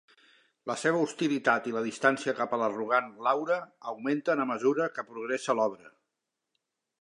La seva hostilitat i la distància cap a l'arrogant Laura augmenten a mesura que progressa l'obra.